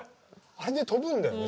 あれで飛ぶんだよね